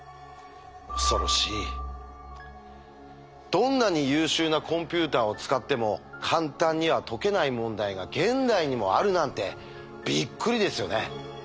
どんなに優秀なコンピューターを使っても簡単には解けない問題が現代にもあるなんてびっくりですよね。